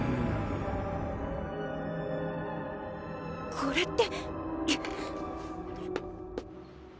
これって。